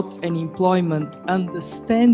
untuk mengembangkan kembang dan pekerjaan